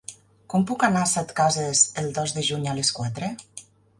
Com puc anar a Setcases el dos de juny a les quatre?